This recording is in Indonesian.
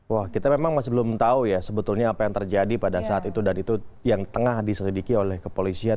wah kita memang masih belum tahu ya sebetulnya apa yang terjadi pada saat itu dan itu yang tengah diselidiki oleh kepolisian